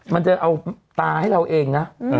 มันจะเอาตาให้เราเองนะ